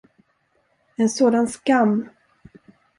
En sådan skam!